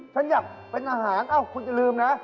ฉันอยากไปทหารเอ้าคุณจะลืมนะ